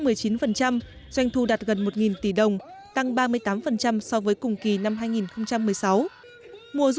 mua thu đạt gần một tỷ đồng tăng ba mươi tám so với cùng kỳ năm hai nghìn một mươi sáu mùa